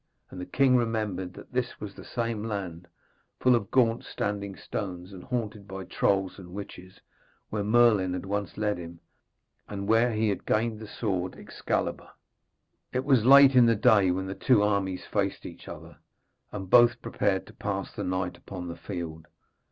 And the king remembered that this was that same land, full of gaunt standing stones and haunted by trolls and witches, where Merlin had once led him, and where he had gained the sword Excalibur. It was late in the day when the two armies faced each other, and both prepared to pass the night upon the field.